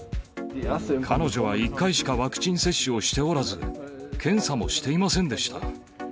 彼女は１回しかワクチン接種をしておらず、検査もしていませんでした。